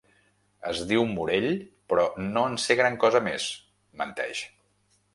Es diu Morell, però no en sé gran cosa més —menteix.